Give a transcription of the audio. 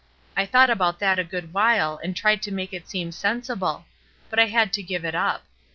''I thought about that a good while and tried to make it seem sensible; but I had to give it up.